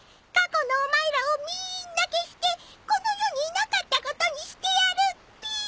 過去のお前らをみーんな消してこの世にいなかったことにしてやるっぴ！